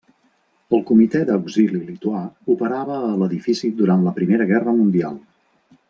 El Comitè d'Auxili lituà operava a l'edifici durant la Primera Guerra Mundial.